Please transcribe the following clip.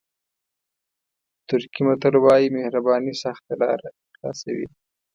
ترکي متل وایي مهرباني سخته لاره خلاصوي.